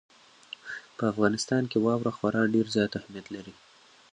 په افغانستان کې واوره خورا ډېر زیات اهمیت لري.